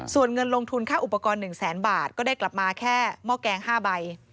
ส่วนเงินลงทุนค่าอุปกรณ์๑แสนบาทก็ได้กลับมาแค่หม้อแกง๕ใบ